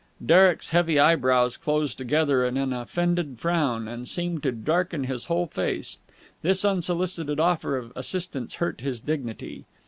Derek's heavy eyebrows closed together in an offended frown, and seemed to darken his whole face. This unsolicited offer of assistance hurt his dignity.